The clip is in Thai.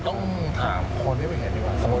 ต้องถามคนที่ไม่เห็นดีกว่า